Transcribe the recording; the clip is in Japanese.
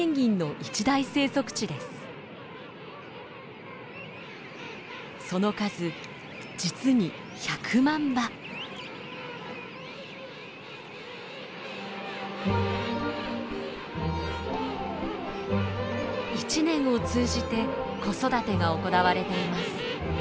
一年を通じて子育てが行われています。